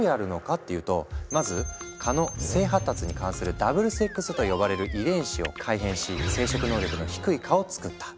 っていうとまず蚊の性発達に関係する「ダブルセックス」と呼ばれる遺伝子を改変し生殖能力の低い蚊を作った。